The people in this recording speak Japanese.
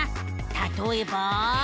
たとえば。